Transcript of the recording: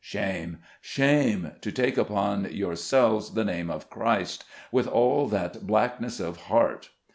Shame ! shame ! to take upon yourselves the name of Christ, with all that blackness of heart.